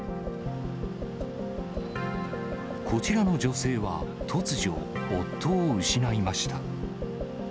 こちらの女性は突如、夫を失いました。